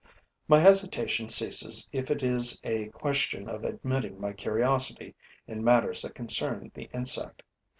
My hesitation ceases if it is a question of admitting my curiosity in matters that concern the insect.